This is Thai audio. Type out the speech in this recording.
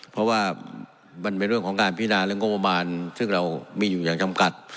เพราะว่ามันเป็นเรื่องของการพินาเรื่องงบประมาณซึ่งเรามีอยู่อย่างจำกัด